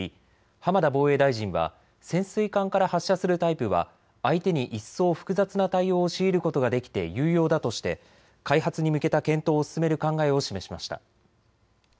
浜田防衛大臣は潜水艦から発射するタイプは相手に一層複雑な対応を強いることができて有用だとして開発に向けた検討を進める考えを示しました。